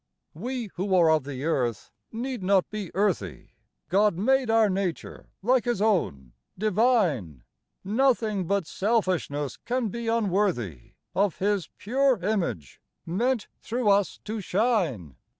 We who are of the earth need not be earthy ; God made our nature like His own, divine ; Nothing but selfishness can be unworthy Of His pure image, meant through us to shine.